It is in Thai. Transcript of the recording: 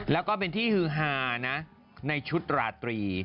แล้วก็เป็นที่ฮือฮานะในชุดราตรี